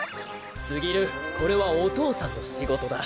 すぎるこれはお父さんのしごとだ。